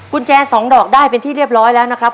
กุญแจสองดอกได้เป็นที่เรียบร้อยแล้วนะครับ